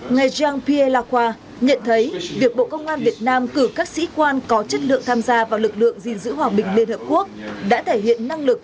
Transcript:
ngày giang pia lacqua nhận thấy việc bộ công an việt nam cử các sĩ quan có chất lượng tham gia vào lực lượng gìn giữ hòa bình liên hợp quốc đã thể hiện năng lực